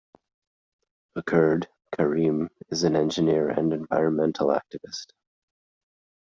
A Kurd, Karim is an engineer and environmental activist.